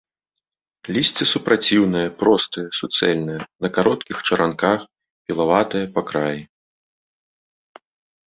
Лісце супраціўнае, простае, суцэльнае, на кароткіх чаранках, пілаватае па краі.